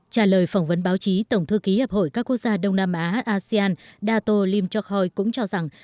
trả lời phỏng vấn báo chí tổng thư ký hiệp hội các quốc gia đông nam á asean dato lim chokhoi cũng cho rằng